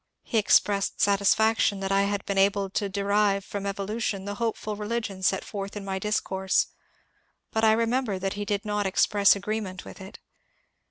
He expressed satisfaction that I had been able to derive from evolution the hopeful religion set forth in my discourse, but I remember that he did not express agreement with it.